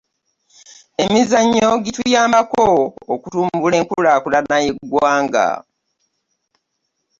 emizannyo gituyambako okutumbula enkulakulana y'egwanga